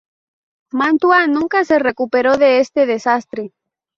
Mantua nunca se recuperó de este desastre.